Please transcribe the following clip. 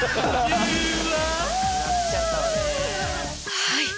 はい。